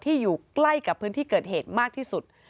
อยู่ใกล้กับพื้นที่เกิดเหตุมากที่สุด